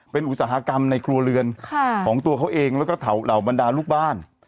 เป็นอุตสาหกรรมในครัวเรือนของตัวเขาเองแล้วก็เหล่าบรรดาลูกบ้าน